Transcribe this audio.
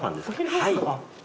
はい。